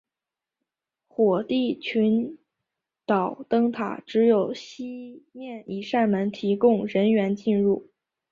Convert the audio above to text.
火地群岛灯塔只有西面一扇门提供人员进入。